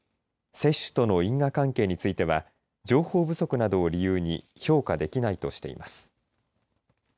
接種との因果関係については情報不足などを理由に評価できないとしています。